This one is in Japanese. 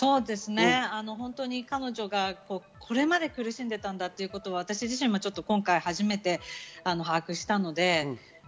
彼女が、これまで苦しんでいたんだということ私自身も今回、初めて把握しました。